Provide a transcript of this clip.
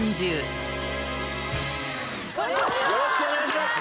よろしくお願いします。